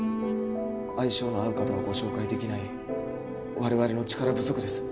相性の合う方をご紹介できない我々の力不足です